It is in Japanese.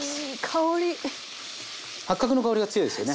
八角の香りが強いですよね。